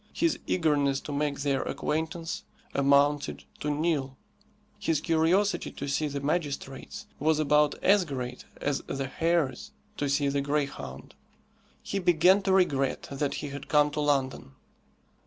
His eagerness to make their acquaintance amounted to nil. His curiosity to see the magistrates was about as great as the hare's to see the greyhound. He began to regret that he had come to London.